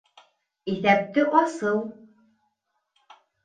Иҫәпте асыу